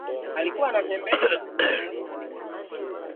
Umri magonjwa yaliyokuwepo awali hatari zingine za ugonjwa